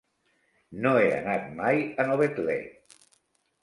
No he anat mai a Novetlè.